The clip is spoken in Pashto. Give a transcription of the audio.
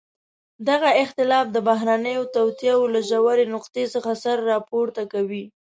دا اختلاف د بهرنيو توطئو له ژورې نقطې څخه سر راپورته کوي.